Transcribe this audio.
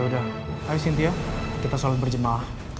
ya udah ayo sintia kita sholat berjemalah